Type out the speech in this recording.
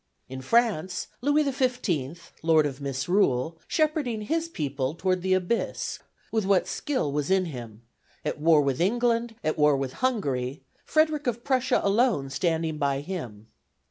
In France, Louis XV., Lord of Misrule, shepherding his people toward the Abyss with what skill was in him; at war with England, at war with Hungary; Frederick of Prussia alone standing by him.